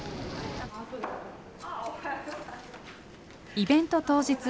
イベント当日。